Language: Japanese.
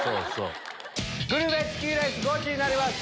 グルメチキンレースゴチになります！